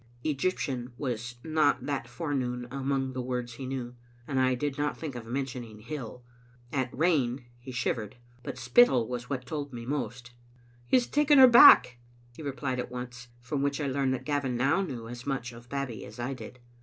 " Egyptian" was not that forenoon among the words he knew, and I did not think of mentioning " hill. " At " rain" he shivered ; but " Spittal" was what told me most. "He has taken her back," he replied at once, from which I learned that Gavin now knew as much of Bab bie as I did.